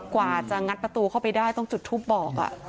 กว่าจะงัดประตูเข้าไปได้ต้องจุดทูปบอก